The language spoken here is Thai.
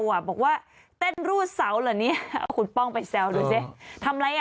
เขาบอกน่ารักนะเหมือนกุม่าน